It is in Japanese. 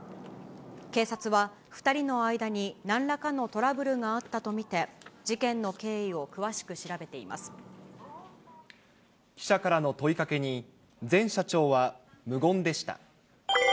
警察は、２人の間になんらかのトラブルがあったと見て、事件の経緯を詳し記者からの問いかけに、前社長は無言でした。